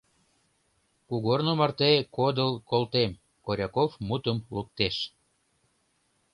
— Кугорно марте кодыл колтем, — Коряков мутым луктеш.